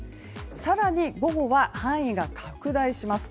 更に、午後は範囲が拡大します。